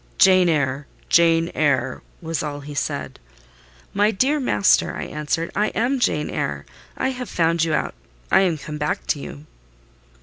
"Jane Eyre!—Jane Eyre," was all he said. "My dear master," I answered, "I am Jane Eyre: I have found you out—I am come back to you."